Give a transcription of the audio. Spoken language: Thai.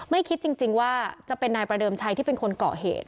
ไม่คิดจริงว่าจะเป็นนายประเดิมชัยที่เป็นคนเกาะเหตุ